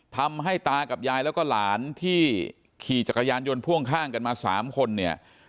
ตากับยายแล้วก็หลานที่ขี่จักรยานยนต์พ่วงข้างกันมา๓คนเนี่ย